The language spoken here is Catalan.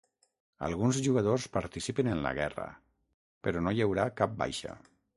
Alguns jugadors participen en la guerra, però no hi haurà cap baixa.